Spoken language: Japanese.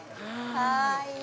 かわいい。